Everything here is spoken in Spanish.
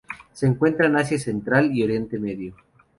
Se encuentra en Asia central y Oriente Medio.